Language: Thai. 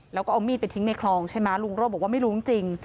แล้วก็เอามีดไปทิ้งในคลองใช่ไหมลุงโรธบอกว่าไม่รู้จริง